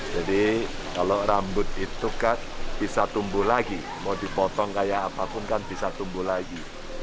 kalau rambut itu kan bisa tumbuh lagi mau dipotong kayak apapun kan bisa tumbuh lagi